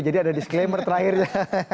jadi ada disclaimer terakhirnya